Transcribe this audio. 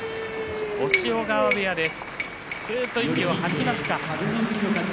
押尾川部屋です。